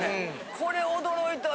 これ驚いた。